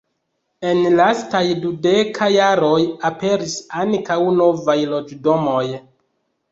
En lastaj dudeka jaroj aperis ankaŭ novaj loĝdomoj.